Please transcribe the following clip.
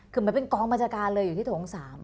คือมันเป็นกองบัญชาการเลยอยู่ที่ถูกองค์๓